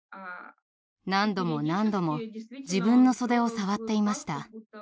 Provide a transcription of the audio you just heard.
何度も何度も自分の袖を触っていました。